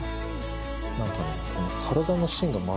何かね。